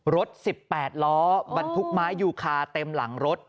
รถ๑๘ล้อบรรทุกไม้ยูคาเต็มหลังรถ